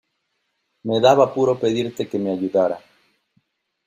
me daba apuro pedirte que me ayudara.